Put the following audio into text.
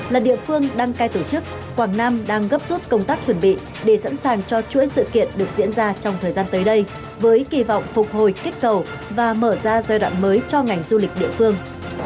là địa phương đăng cai tổ chức quảng nam đang gấp rút công tác chuẩn bị để sẵn sàng cho chuỗi sự kiện được diễn ra trong thời gian tới đây với kỳ vọng phục hồi kích cầu và mở ra giai đoạn mới cho ngành du lịch địa phương